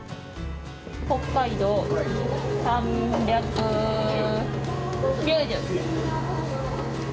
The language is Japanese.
北海道３９０。